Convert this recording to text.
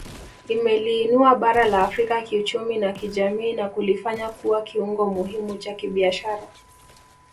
Imeliinua bara la Afrika kiuchumi na kijamii na kulifanya kuwa kiungo muhimu cha kibiashara